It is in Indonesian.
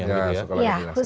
ya sekolah ketidaksaan